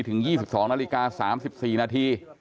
ถึง๒๒นาฬิกา๓๔นาที